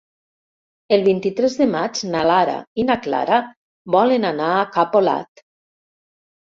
El vint-i-tres de maig na Lara i na Clara volen anar a Capolat.